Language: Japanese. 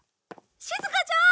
しずかちゃん！